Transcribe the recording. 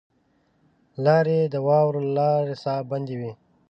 لاري د واورو له لاسه بندي وې.